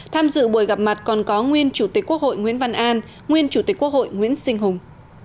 tham dự buổi gặp mặt còn có nguyên chủ tịch quốc hội nguyễn văn an nguyên chủ tịch quốc hội nguyễn sinh hùng